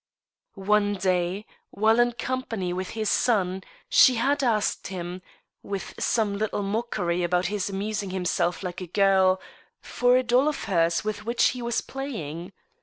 One day, while in company with his cousin, she had asked him (with some little mockery about his amusing himself like a girl) for a doll of hers with which he was playing.